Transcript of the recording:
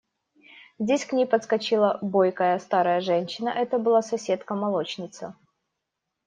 Здесь к ней подскочила бойкая старая женщина – это была соседка, молочница.